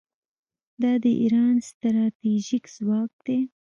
دا د ایران ستراتیژیک ځواک دی.